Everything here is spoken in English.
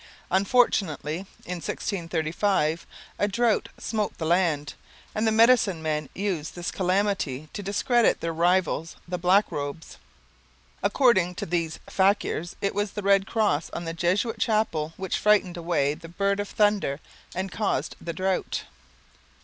Unfortunately, in 1635, a drought smote the land, and the medicine men used this calamity to discredit their rivals the black robes. According to these fakirs, it was the red cross on the Jesuit chapel which frightened away the bird of thunder and caused the drought.